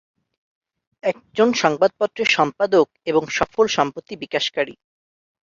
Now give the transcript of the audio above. একজন সংবাদপত্রের সম্পাদক এবং সফল সম্পত্তি বিকাশকারী।